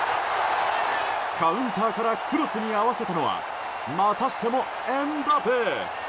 カウンターからクロスに合わせたのはまたしてもエムバペ！